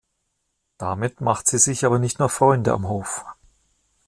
Damit macht sie sich aber nicht nur Freunde am Hof.